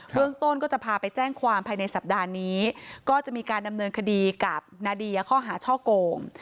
เรื่องต้นก็จะพาไปแจ้งความภายในสัปดาห์นี้ก็จะมีการดำเนินคดีกับนาเดียข้อหาช่อโกง